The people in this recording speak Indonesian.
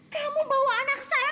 kamu bawa anak saya kemana aja sih